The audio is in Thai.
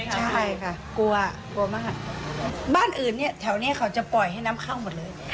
ใช่ค่ะกลัวกลัวมากบ้านอื่นเนี่ยแถวนี้เขาจะปล่อยให้น้ำเข้าหมดเลย